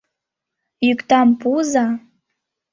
Йӱкдам пуыза!